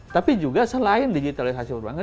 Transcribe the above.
tapi juga selain digitalisasi perbankan